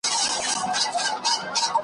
د بلبلو په قفس کي له داستان سره همزولی ,